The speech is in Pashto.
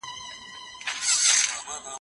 مځکه وايي په تا کي چي گناه نه وي مه بېرېږه.